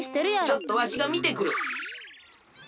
ちょっとわしがみてくる。